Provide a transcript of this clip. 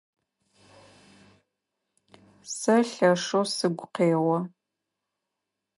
Сэ лъэшэу сыгу къео.